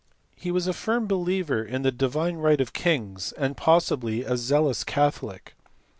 He was a firm believer in the right divine of kings, and probably a zealous catholic.